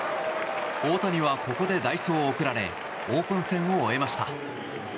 大谷は、ここで代走を送られオープン戦を終えました。